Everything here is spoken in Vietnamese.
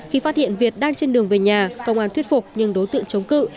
khi phát hiện việt đang trên đường về nhà công an thuyết phục nhưng đối tượng chống cự